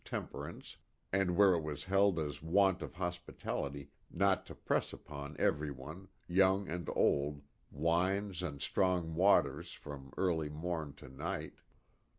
temperance and where it was held as want of hospitality not to press upon every one, young and old, wines and " strong waters " from early morn to night.